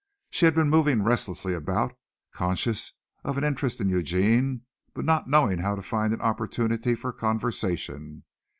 She had been moving restlessly about, conscious of an interest in Eugene but not knowing how to find an opportunity for conversation.